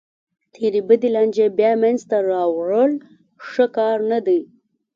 تېرې بدې لانجې بیا منځ ته راوړل ښه کار نه دی.